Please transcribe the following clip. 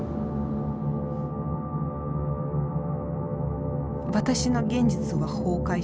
私の現実は崩壊した。